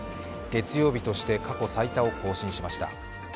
月曜日として過去最多を更新しました。